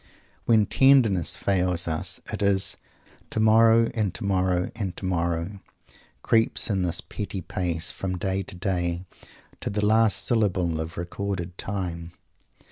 When tenderness fails us, it is "Tomorrow and tomorrow and tomorrow, creeps in this petty pace from day to day to the last syllable of recorded time."